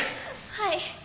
はい。